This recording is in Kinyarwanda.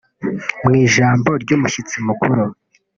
Mu ijambo ry’umushyitsi mukuru